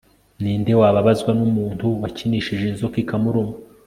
ni nde wababazwa n'umuntu wakinishije inzoka ikamuruma